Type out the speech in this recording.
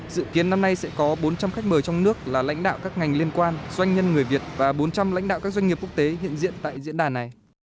dự kiến năm nay sẽ có bốn trăm linh khách mời trong nước là lãnh đạo các ngành liên quan doanh nhân người việt và bốn trăm linh lãnh đạo các doanh nghiệp quốc tế hiện diện tại diễn đàn này